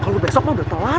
kalau besok mah udah telat